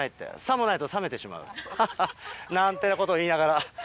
ハハっなんてこと言いながら。